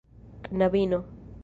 knabino